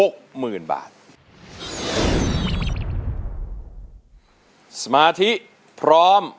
กลับไปก่อนที่สุดท้าย